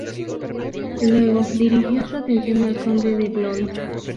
Luego dirigió su atención al conde de Blois.